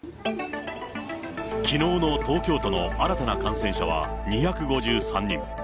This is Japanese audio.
きのうの東京都の新たな感染者は２５３人。